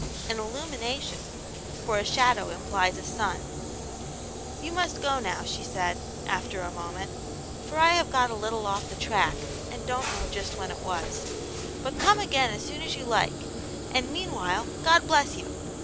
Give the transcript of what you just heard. An illumination; for a shadow implies a sun. ." You must go now," she said, after a moment, " for I have got a little off the track, and don't know just when it was. But come again as soon as you like, and meanwhile, God bless you!"